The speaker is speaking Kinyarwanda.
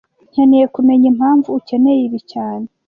Nkeneye kumenya impamvu ukeneye ibi cyane